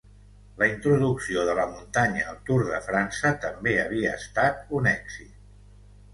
La introducció de la muntanya al Tour de França també havia estat un èxit.